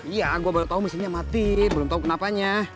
iya gue baru tau mesinnya mati belum tau kenapanya